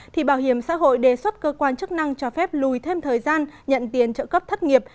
thì bảo hiểm xã hội đề xuất cơ quan chức năng cho phép lùi thêm thời gian nhận tiền trợ cấp thất nghiệp